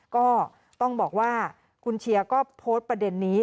ก็ต้องบอกว่าคุณเชียร์ก็โพสต์ประเด็นนี้